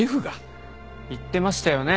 言ってましたよね